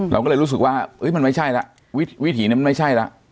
เราก็เลยรู้สึกว่ามันไม่ใช่แล้ววิถีนี้มันไม่ใช่แล้ว